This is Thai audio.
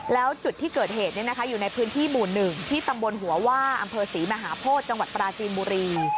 แล้วจุดที่เกิดเหตุอยู่ในพื้นที่หมู่๑ที่ตำบลหัวว่าอำเภอศรีมหาโพธิจังหวัดปราจีนบุรี